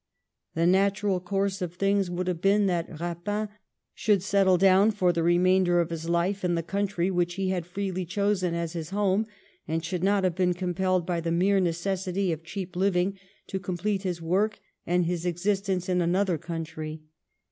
The natural course of things would have been that Eapin should settle down for the remainder of his life in the country which he had freely chosen as his home, and should not have been compelled by the mere necessity of cheap living to complete his work and his existence in another country.